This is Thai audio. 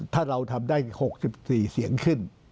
ถ้าเราทำได้๖๔เสียงขึ้น